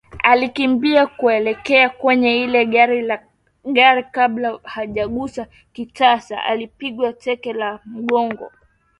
Alikimbia kuelekea kwenye il gari kabla hajagusa kitasa alipigwa teke la mgongo